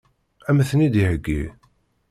Ad m-ten-id-iheggi?